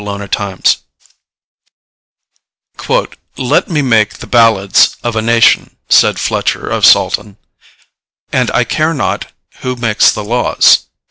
1740 EDMUND GOSSE "Let me make the ballads of a nation," said Fletcher of Saltoun, "and I care not who makes the laws."